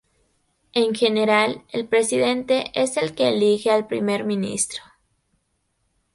En general, el presidente es el que elije al primer ministro.